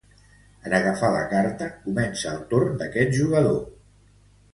En agafar la carta, comença el torn d'este jugador.